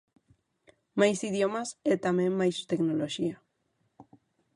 Máis idiomas e tamén máis tecnoloxía.